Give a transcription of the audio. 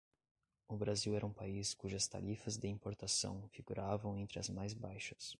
o Brasil era um país cujas tarifas de importação figuravam entre as mais baixas